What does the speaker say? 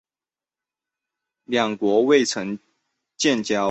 两国未曾建交。